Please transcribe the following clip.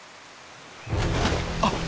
あっ！